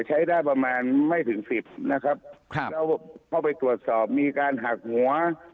ใช้ได้ประมาณไม่ถึงสิบนะครับครับแล้วเข้าไปตรวจสอบมีการหักหัว